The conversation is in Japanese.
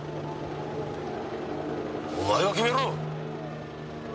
お前が決めろ！